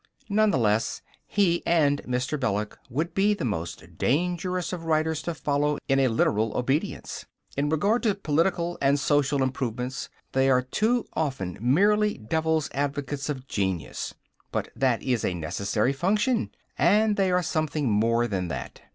None the less, he and Mr. Belloc would be the most dangerous of writers to follow in a literal obedience. In regard to political and social improvements, they are too often merely Devil's Advocates of genius. But that is a necessary function, and they are something more than that.